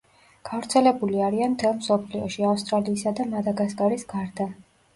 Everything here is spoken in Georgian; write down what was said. გავრცელებული არიან მთელ მსოფლიოში, ავსტრალიისა და მადაგასკარის გარდა.